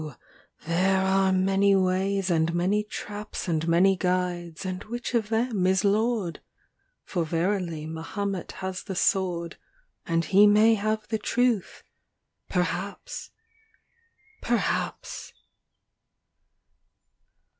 XXXV Lo ! there are many ways and many traps And many guides, and which of them is lord ? For verily Mahomet has the sword, And he may have the truth ŌĆö perhaps ! perhaps